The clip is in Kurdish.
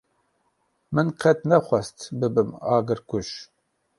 Min qet nexwest bibim agirkuj.